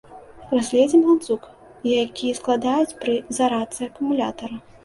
Разгледзім ланцуг, які складаюць пры зарадцы акумулятара.